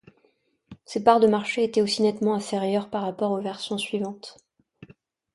Ses parts de marché étaient aussi nettement inférieures par rapport aux versions suivantes.